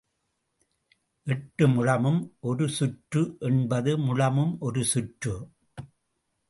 எட்டு முழமும் ஒரு சுற்று எண்பது முழமும் ஒரு சுற்று.